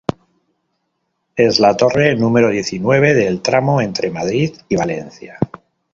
Es la torre número diecinueve del tramo entre Madrid y Valencia.